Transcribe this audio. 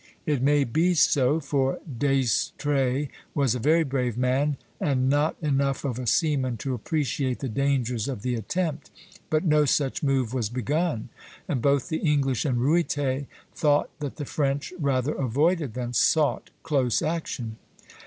It may be so, for D'Estrées was a very brave man, and not enough of a seaman to appreciate the dangers of the attempt; but no such move was begun, and both the English and Ruyter thought that the French rather avoided than sought close action.